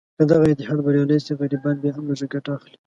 که دغه اتحاد بریالی شي، غریبان بیا هم لږه ګټه اخلي.